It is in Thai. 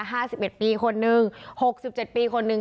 ห้าสิบเอ็ดปีคนนึงหกสิบเจ็ดปีคนหนึ่ง